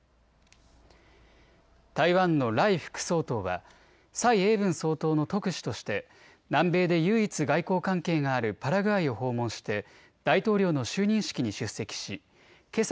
台湾の頼副総統は蔡英文総統の特使として南米で唯一、外交関係があるパラグアイを訪問して大統領の就任式に出席しけさ